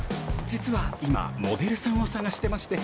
実は今モデルさんを探してまして。